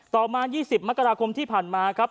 ต่อมา๒๐มกราคมที่ผ่านมาครับ